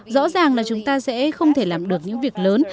rõ ràng là chúng ta sẽ không thể làm được những việc lớn